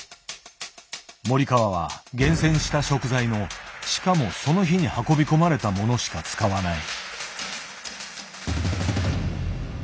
森川は厳選した食材のしかもその日に運び込まれたものしか使わない。